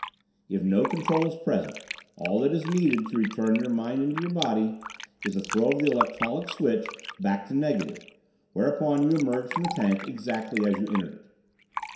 "If no Control is present, all that is needed to return your mind into your body is a throw of the electrolytic switch back to negative, whereupon you emerge from the tank exactly as you entered it.